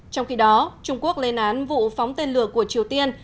trong khi đó trung quốc lên án vụ phóng tên lửa của triều tiên